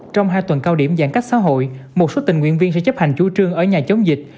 trong hai tuần cao điểm giãn cách xã hội một số tình nguyện viên sẽ chấp hành chủ trương ở nhà chống dịch